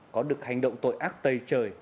có được hành động tội ác tây trời